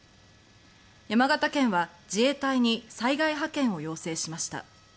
山形県は自衛隊に災害派遣を要請しました。